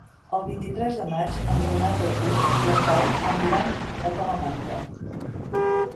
El vint-i-tres de maig en Renat August i en Pau aniran a Talamanca.